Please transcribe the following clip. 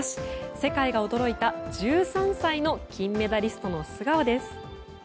世界が驚いた１３歳の金メダリストの素顔です。